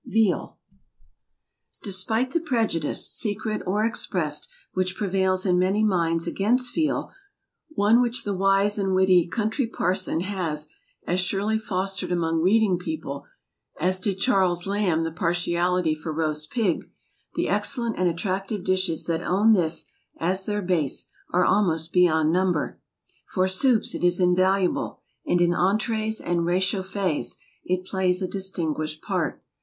VEAL. Despite the prejudice, secret or expressed, which prevails in many minds against veal,—one which the wise and witty "Country Parson" has as surely fostered among reading people, as did Charles Lamb the partiality for roast pig,—the excellent and attractive dishes that own this as their base are almost beyond number. For soups it is invaluable, and in entrees and réchauffés it plays a distinguished part.